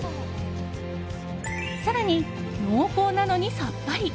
更に、濃厚なのにさっぱり！